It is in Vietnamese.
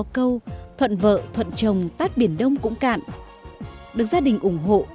được gia đình ủng hộ thuận vợ thuận chồng tát biển đông cũng cạn được gia đình ủng hộ